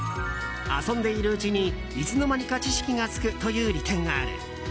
遊んでいるうちに、いつの間にか知識がつくという利点がある。